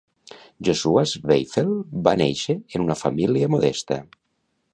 Josua Zweifel va néixer en una família modesta.